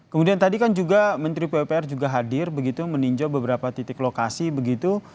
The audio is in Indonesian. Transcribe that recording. kemudian tadi kan juga menteri pupr juga hadir begitu meninjau beberapa titik lokasi begitu